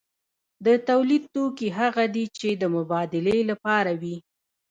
د تولید توکي هغه دي چې د مبادلې لپاره وي.